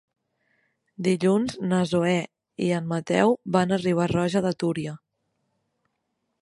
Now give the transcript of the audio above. Dilluns na Zoè i en Mateu van a Riba-roja de Túria.